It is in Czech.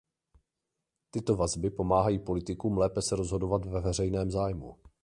Tyto vazby pomáhají politikům lépe se rozhodovat ve veřejném zájmu.